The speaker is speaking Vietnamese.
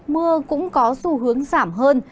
mưa cũng có xu hướng giảm hơn